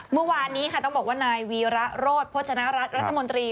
เมื่อวานนี้ค่ะต้องบอกว่านายวีระโรธโภชนรัฐรัฐมนตรี